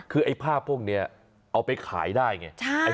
คือไอ้ภาพพวกนี้เอาไปขายได้ไง